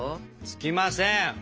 つきません？